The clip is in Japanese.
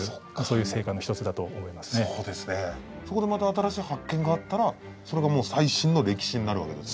そこでまた新しい発見があったらそれがもう最新の歴史になるわけですもんね。